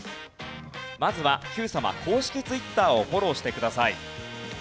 まずは『Ｑさま！！』公式ツイッターをフォローしてください。